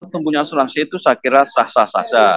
tumbuhnya asuransi itu saya kira sah sah sah sah